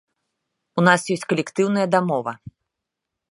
У нас ёсць калектыўная дамова.